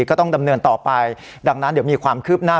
ก็ต้องดำเนินต่อไปดังนั้นเดี๋ยวมีความคืบหน้า